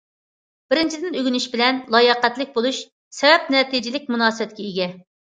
بىرىنچىدىن‹‹ ئۆگىنىش›› بىلەن‹‹ لاياقەتلىك بولۇش›› سەۋەب، نەتىجىلىك مۇناسىۋەتكە ئىگە.